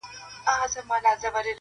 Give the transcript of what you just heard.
• لهشاوردروميګناهونهيېدلېپاتهسي..